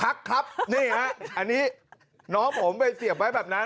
ครับนี่ฮะอันนี้น้องผมไปเสียบไว้แบบนั้น